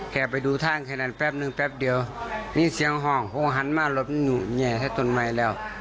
แข็บไปดูท่างแค่นั้นแป๊บนึงแป๊บเดี๋ยวนี่เสียงห่องผมก็หันมาหลบนึงอย่างเนี่ยถ้าต้นใหม่แล้ว